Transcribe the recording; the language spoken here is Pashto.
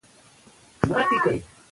رښتیا بې لارۍ کموي.